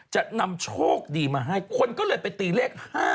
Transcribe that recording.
จะนำโชคดีมาให้คนก็เลยไปตีเลข๕